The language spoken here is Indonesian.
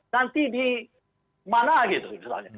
nanti di mana gitu misalnya